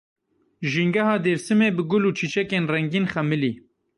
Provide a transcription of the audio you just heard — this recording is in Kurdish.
Jîngeha Dêrsimê bi gul û çîçekên rengîn xemilî.